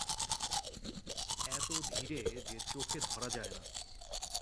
এত ধীরে যে চোখে ধরা যায় না।